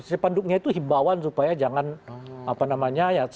bukan sepanduknya itu hibawan supaya jangan apa namanya